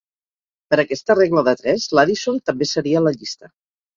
Per aquesta regla de tres, l'Adisson també seria a la llista.